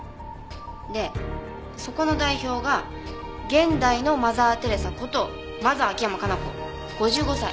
でそこの代表が現代のマザー・テレサことマザー秋山可奈子５５歳。